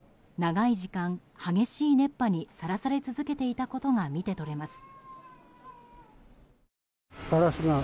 ベランダはすすだらけとなり長い時間激しい熱波にさらされ続けていたことが見て取れます。